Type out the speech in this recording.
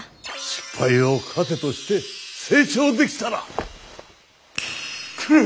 失敗を糧として成長できたらトレビアン。